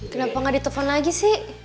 kenapa nggak ditelepon lagi sih